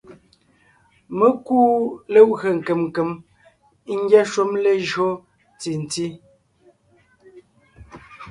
Mé kúu legwé nkèm nkèm ngyɛ́ shúm lejÿo ntí nti;